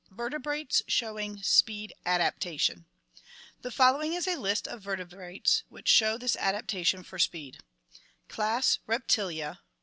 Vertebrates Showing Speed Adaptation. — The following is a list of vertebrates which show this adaptation for speed: Class Reptilia.